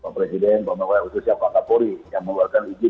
pak presiden pak mewah khususnya pak kapuri